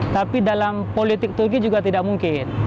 tapi dalam politik turki juga tidak mungkin